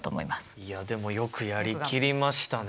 いやでもよくやりきりましたね。